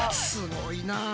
すごいな！